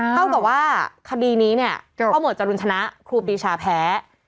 เท่ากับว่าคดีนี้เนี่ยก็หมวดจรุนชนะครูปีชาแพ้